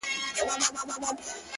زور او زير مي ستا په لاس کي وليدی!!